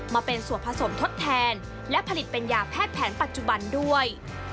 มาเป็นส่วนผสมทดแทนและผลิตเป็นยาแพทย์แผนปัจจุบันด้วย